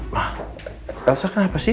ma elsa kenapa sih